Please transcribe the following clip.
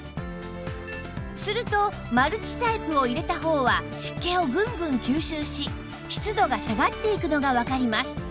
するとマルチタイプを入れた方は湿気をぐんぐん吸収し湿度が下がっていくのがわかります